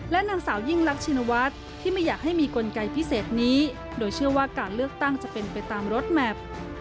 นางสาวยิ่งรักชินวัฒน์ที่ไม่อยากให้มีกลไกพิเศษนี้โดยเชื่อว่าการเลือกตั้งจะเป็นไปตามรถแมพ